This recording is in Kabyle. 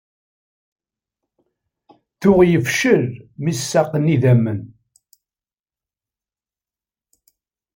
Tuɣ yefcel mi s-saqen idammen.